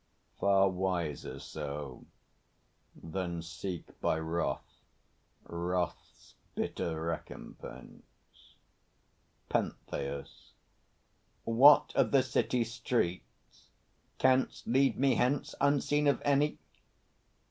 Far wiser so, Than seek by wrath wrath's bitter recompense. PENTHEUS. What of the city streets? Canst lead me hence Unseen of any?